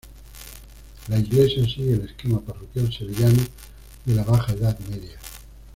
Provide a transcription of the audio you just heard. La iglesia sigue el esquema parroquial sevillano de la Baja Edad Media.